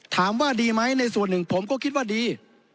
ถามว่าดีไหมในส่วนหนึ่งผมก็คิดว่าดี